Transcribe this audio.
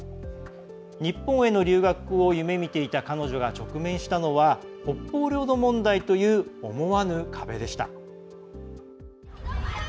日本への留学を夢みていた彼女が直面したのは北方領土問題という思わぬ壁でした。